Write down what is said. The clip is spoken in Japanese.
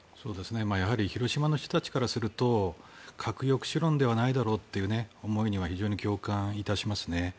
やはり広島の方たちからすると核抑止論ではないだろうという思いには非常に共感いたしますね。